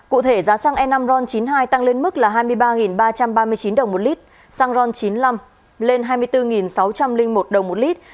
cụ thể giá xăng e năm ron chín mươi hai tăng lên mức là hai mươi ba ba trăm ba mươi chín đồng một lít xăng ron chín mươi năm lên hai mươi bốn sáu trăm linh một đồng một lít